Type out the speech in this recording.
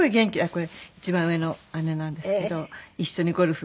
これ一番上の姉なんですけど一緒にゴルフ